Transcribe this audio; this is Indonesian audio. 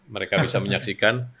mereka bisa menyaksikan